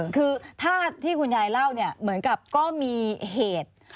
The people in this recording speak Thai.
คือถ้าที่คุณยายเล่าเนี่ยเหมือนกับก็มีเหตุ